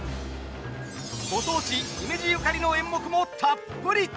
ご当地姫路ゆかりの演目もたっぷりと。